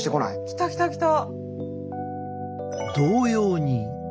来た来た来た！